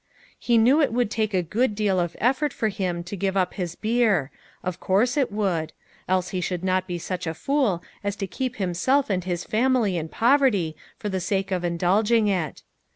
He knew it would take a good deal of effort for him to give up his beer ; of course it would ; else he should not be such a fool as to keep himself and his family in poverty for the sake of indulging it.